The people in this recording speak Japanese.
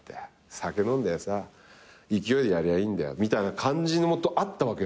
酒飲んでさ勢いでやりゃいいんだよみたいな感じあったわけよ。